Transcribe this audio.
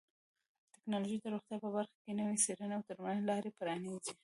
ټکنالوژي د روغتیا په برخه کې نوې څیړنې او درملنې لارې پرانیزي.